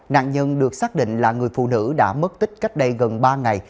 nạn nhân được xác định là người phụ nữ đã mất tích cách đây gần ba ngày